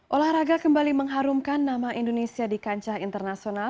olahraga kembali mengharumkan nama indonesia di kancah internasional